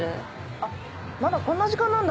あっまだこんな時間なんだ。